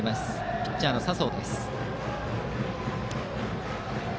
ピッチャーの佐宗。